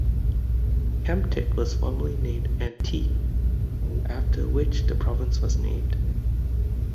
Hamtic was formerly named "Antique", after which the province was named.